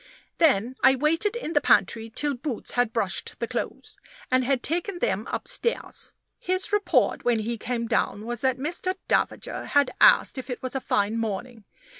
Then I waited in the pantry till Boots had brushed the clothes, and had taken them upstairs. His report when he came down was, that Mr. D had asked if it was a fine morning.